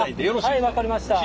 はい分かりました。